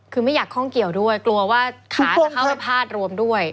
คือไม่อยากคล่องเกี่ยวด้วยกลัวว่าขาจะเข้าไปพาดรวมด้วย